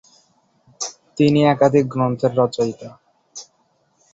তিনি একাধিক গ্রন্থের রচয়িতা।